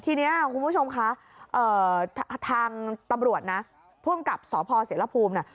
ทีนี้คุณผู้ชมคะทางตำรวจนะพ่วงกับสภเสริฟภูมิ